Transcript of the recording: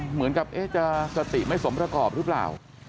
เหมือนกับจะสติไม่สมประกอบหรือเปล่า